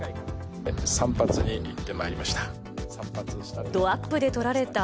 散髪に行ってまいりました。